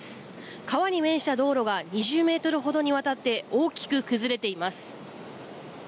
川に面した道路は２０ｍ程にわたって大きく崩れています。